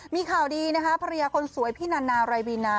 มีข่าวดีนะคะภรรยาคนสวยพี่นานารายบีนา